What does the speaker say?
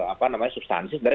apa namanya substansi sebenarnya